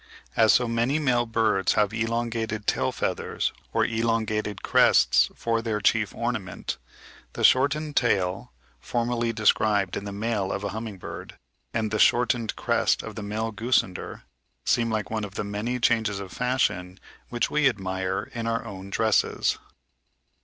As so many male birds have elongated tail feathers or elongated crests for their chief ornament, the shortened tail, formerly described in the male of a humming bird, and the shortened crest of the male goosander, seem like one of the many changes of fashion which we admire in our own dresses.